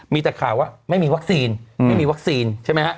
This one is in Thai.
มีแต่ข่าวว่าไม่มีวัคซีนไม่มีวัคซีนใช่ไหมฮะ